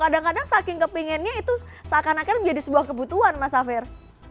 kadang kadang saking kepinginnya itu seakan akan menjadi sebuah kebutuhan mas safir